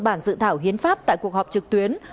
bản dự thảo hiến pháp tại cuộc họp trực tuyến